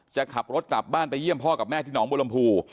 จะขับรถกลับบ้านไปเยี่ยมพ่อกับแม่ที่หนองบุรมภู